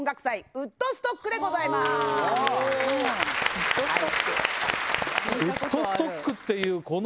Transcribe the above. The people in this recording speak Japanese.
ウッドストックっていうこの。